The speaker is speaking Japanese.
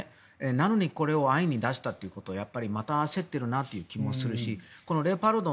なのにこれを安易に出したってことはまた焦っているなという気もするしこのレオパルト、